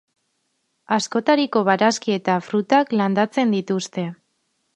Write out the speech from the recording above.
Askotariko barazki eta frutak landatzen dituzte.